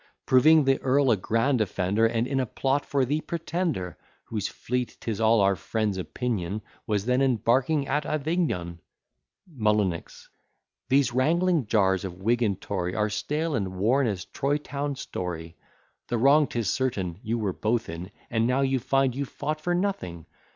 Proving the earl a grand offender; And in a plot for the Pretender; Whose fleet, 'tis all our friends' opinion, Was then embarking at Avignon? M. These wrangling jars of Whig and Tory, Are stale and worn as Troy town story: The wrong, 'tis certain, you were both in, And now you find you fought for nothing.